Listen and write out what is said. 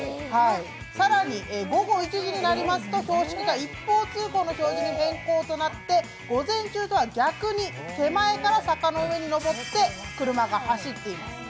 更に午後１時になりますと、標識が一方通行の標識に変更となって午前中とは逆に、手前から坂の上に登って車が走っています。